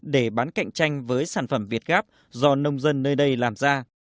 để bán cạnh tranh với sản phẩm việt gáp do nông dân nơi đây làm ra